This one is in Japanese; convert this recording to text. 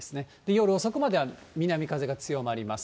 夜遅くまでは南風が強まります。